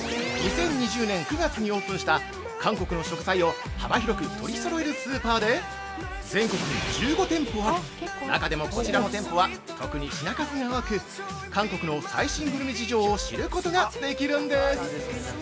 ２０２０年９月にオープンした韓国の食材を幅広く取りそろえるスーパーで、全国に１５店舗あり中でも、こちらの店舗は特に品数が多く、韓国の最新グルメ事情を知ることができるんです。